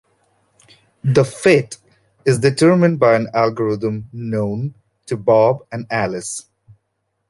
The "fit" is determined by an algorithm "known" to Bob and Alice.